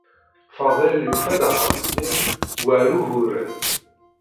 Fadil yufa-d axxam-nni war uguren.